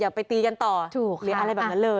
อย่าไปตีกันต่อหรืออะไรแบบนั้นเลย